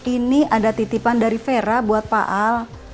ini ada titipan dari vera buat pak al